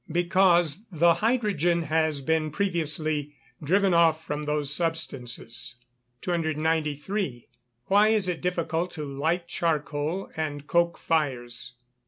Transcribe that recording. _ Because the hydrogen has been previously driven off from those substances. 293. _Why is it difficult to light charcoal and coke fires?